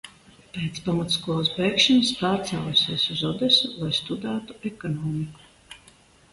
Pēc pamatskolas beigšanas pārcēlusies uz Odesu, lai studētu ekonomiku.